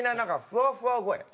ふわふわ声。